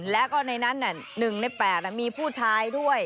แล้วก็ในนั้น๑ใน๘มีผู้ชายด้วย